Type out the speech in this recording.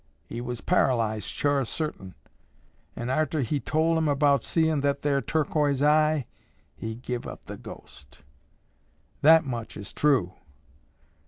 He was paralyzed, sure sartin, an' arter he'd tol' about seein' that thar turquoise eye, he give up the ghost. That much is true.